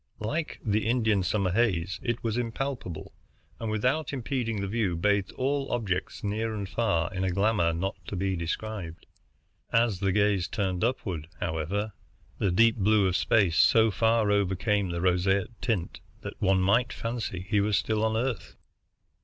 Like the Indian summer haze, it was impalpable, and without impeding the view bathed all objects near and far in a glamour not to be described. As the gaze turned upward, however, the deep blue of space so far overcame the roseate tint that one might fancy he were still on Earth.